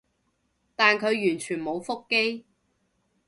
但佢完全冇覆機